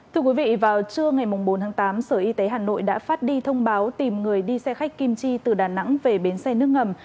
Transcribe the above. thưa quý vị vào trưa ngày bốn tháng tám sở y tế hà nội đã phát đi thông báo tìm người đi xe khách kim chi từ đà nẵng về bến xe nước ngầm